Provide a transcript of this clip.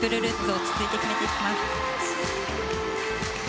落ち着いて決めていきます。